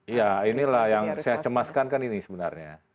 ya inilah yang saya cemaskan kan ini sebenarnya